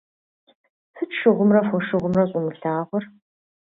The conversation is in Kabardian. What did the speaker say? Сыт шыгъумрэ фошыгъумрэ щӀумылъагъур?